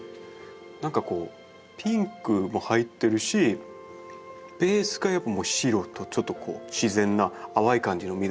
何かこうピンクも入ってるしベースがやっぱ白とちょっとこう自然な淡い感じの緑も。